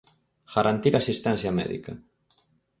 "Garantir a asistencia médica".